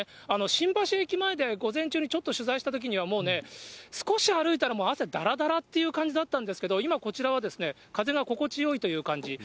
新橋駅前で午前中にちょっと取材したときにはもうね、少し歩いたら汗だらだらっていう感じだったんですけど、今、こちらは風が心地よいという感じ。